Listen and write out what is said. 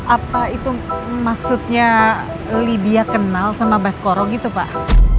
apa itu maksudnya lydia kenal sama baskoro gitu pak